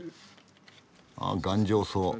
あ頑丈そう。